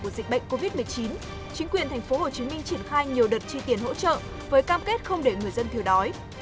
trong vùng vùng của dịch bệnh covid một mươi chín chính quyền tp hcm triển khai nhiều đợt tri tiền hỗ trợ với cam kết không để người dân thiếu đói